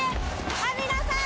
網野さん